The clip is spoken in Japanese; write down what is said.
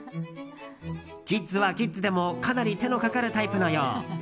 キッズはキッズでもかなり手のかかるタイプのよう。